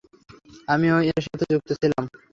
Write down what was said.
আমিও এর সাথে যুক্ত ছিলাম।